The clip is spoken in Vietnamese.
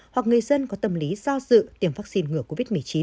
hoặc người dân có tâm lý do dự tiêm vaccine ngừa covid một mươi chín